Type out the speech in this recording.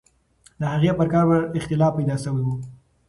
د هغې پر قبر اختلاف پیدا سوی وو.